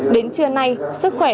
đến trưa nay sức khỏe